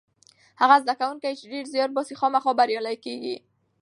هغه زده کوونکی چې ډېر زیار باسي خامخا بریالی کېږي.